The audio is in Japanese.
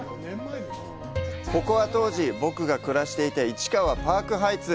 ここは、当時、僕が暮らしていた市川パークハイツ。